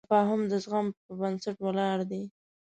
تفاهم د زغم په بنسټ ولاړ دی.